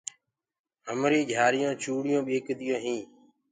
همري گھيآريونٚ چوڙيونٚ ٻيڪديونٚ هينٚ